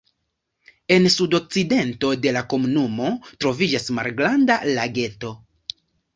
En sudokcidento de la komunumo troviĝas malgranda lageto.